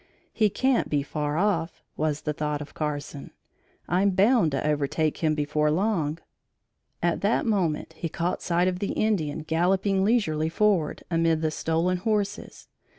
"He can't be far off," was the thought of Carson, "I'm bound to overtake him before long." At that moment, he caught sight of the Indian galloping leisurely forward, amid the stolen horses.